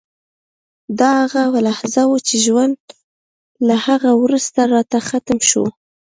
دا هغه لحظه وه چې ژوند له هغه وروسته راته ختم شو